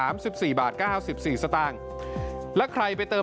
โทษภาพชาวนี้ก็จะได้ราคาใหม่